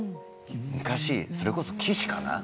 昔それこそ岸かな？